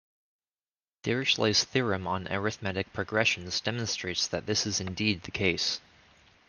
Dirichlet's theorem on arithmetic progressions demonstrates that this is indeed the case.